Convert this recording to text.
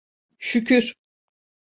Şükür…